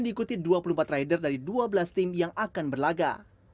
dan juga akan menemukan dua puluh empat rider dari dua belas tim yang akan berlaga